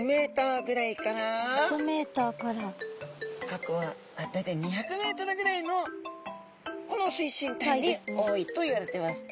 深くは大体２００ｍぐらいのこの水深帯に多いといわれてます。